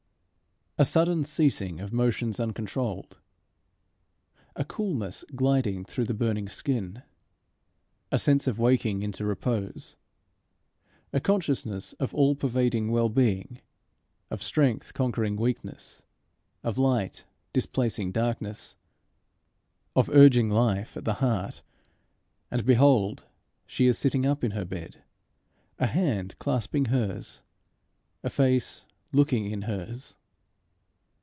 A sudden ceasing of motions uncontrolled; a coolness gliding through the burning skin; a sense of waking into repose; a consciousness of all pervading well being, of strength conquering weakness, of light displacing darkness, of urging life at the heart; and behold! she is sitting up in her bed, a hand clasping hers, a face looking in hers.